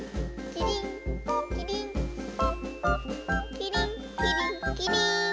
キリンキリンキリン。